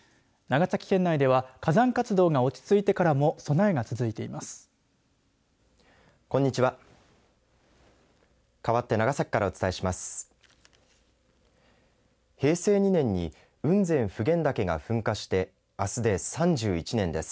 長崎県内では火山活動が落ち着いてからも備えが続いています。